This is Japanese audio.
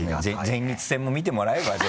前立腺も見てもらえば。